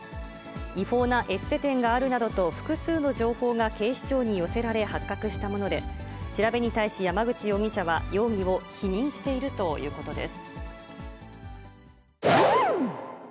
違法なエステ店があるなどと、複数の情報が警視庁に寄せられ発覚したもので、調べに対し、山口容疑者は容疑を否認しているということです。